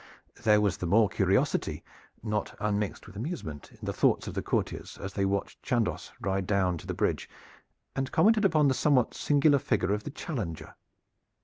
There was the more curiosity, not unmixed with amusement, in the thoughts of the courtiers as they watched Chandos ride down to the bridge and commented upon the somewhat singular figure of the challenger.